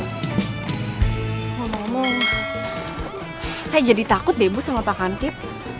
ngomong ngomong saya jadi takut deh bu sama pak kamtip